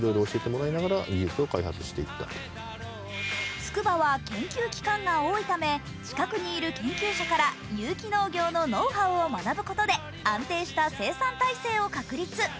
つくばは研究機関が多いため近くにいる研究者から有機農業のノウハウを学ぶことで安定した生産体制を確立。